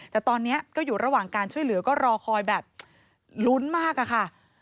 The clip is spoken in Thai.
แต่ตอนนี้ก็อยู่ระหว่างการช่วยเหลือก็รอคอยแบบลุ้นมากอะค่ะ